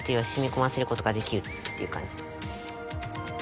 ことができるっていう感じです。